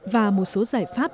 và một số giải pháp